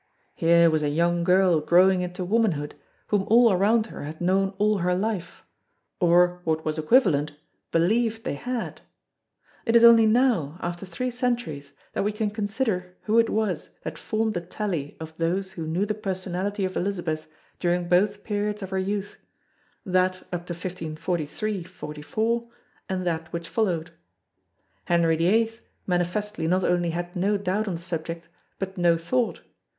Here was a young girl growing into womanhood whom all around her had known all her life or what was equivalent believed they had. It is only now after three centuries that we can consider who it was that formed the tally of those who knew the personality of Elizabeth during both periods of her youth, that up to 1543 4 and that which followed. Henry VIII manifestly not only had no doubt on the subject but no thought.